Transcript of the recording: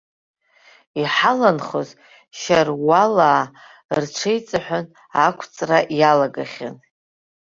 Иҳаланхоз шьаруалаа рҽеиҵаҳәан ақәҵра иалагахьан.